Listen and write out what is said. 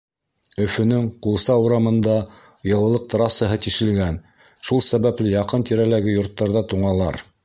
Өфөнөң Ҡулса урамында йылылыҡ трассаһы тишелгән, шул сәбәпле яҡын-тирәләге йорттарҙа туңалар.